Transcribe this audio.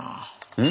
うん。